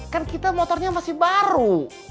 kan kita motornya masih baru